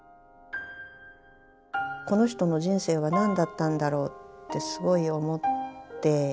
この人の人生は何だったんだろうってすごい思って。